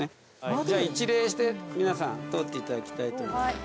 じゃあ一礼して皆さん通っていただきたいと思います。